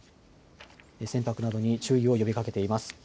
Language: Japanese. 船舶などに注意を呼びかけています。